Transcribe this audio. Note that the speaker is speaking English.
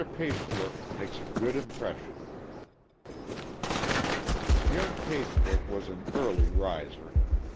Pagebrook makes a Good Impression._ Young Pagebrook was an early riser.